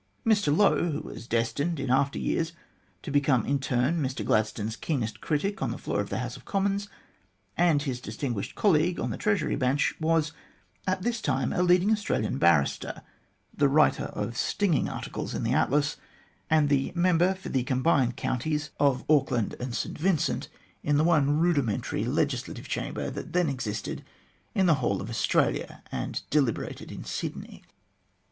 Mr Lowe, who was destined in after years to became in turn Mr Gladstone's keenest critic on the floor of the House of Commons and his distinguished colleague on the Treasury bench, was, at this time, a leading Australian barrister, the writer of stinging articles in the Atlas, and the member for the combined counties of Auckland and St THE GENESIS OF THE GLADSTONE COLONY 9 Vincent in the one rudimentary legislative chamber that then existed in the whole of Australia and deliberated in Sydney.